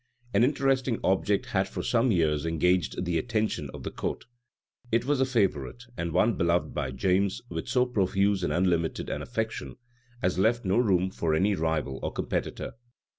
An interesting object had for some years engaged the attention of the court; it was a favorite, and one beloved by James with so profuse and unlimited an affection, as left no room for any rival or competitor.